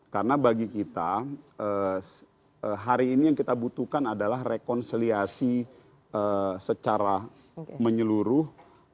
karena bagi kita hari ini yang kita butuhkan adalah rekonsiliasi secara menyeluruh